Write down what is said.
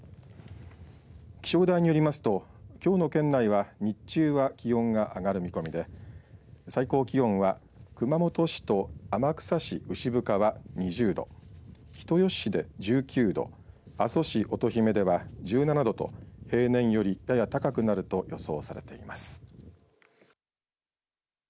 気象台によりますときょうの県内は日中は気温が上がる見込みで最高気温は熊本市と天草市牛深は２０度人吉市で１９度阿蘇市乙姫では１７度と平年よりやや高くなると予想されています。